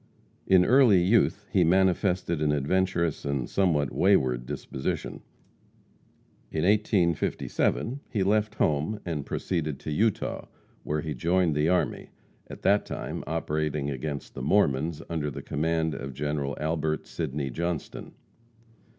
In early youth he manifested an adventurous and somewhat wayward disposition. In 1857 he left home and proceeded to Utah, where he joined the army, at that time operating against the Mormons under the command of General Albert Sydney Johnston.